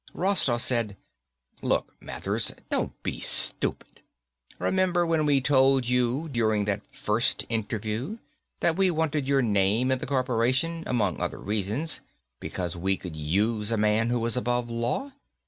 Rostoff said, "Look, Mathers, don't be stupid. Remember when we told you, during that first interview, that we wanted your name in the corporation, among other reasons, because we could use a man who was above law?